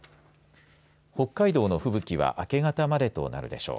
北海道の吹雪は明け方までとなるでしょう。